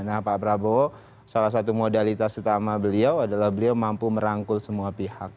nah pak prabowo salah satu modalitas utama beliau adalah beliau mampu merangkul semua pihak